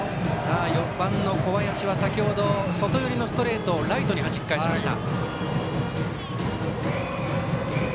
４番の小林は先ほど外寄りのストレートをライトに、はじき返しました。